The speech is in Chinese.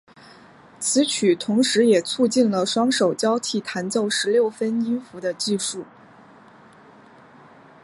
此曲同时也促进了双手交替弹奏十六分音符的技术。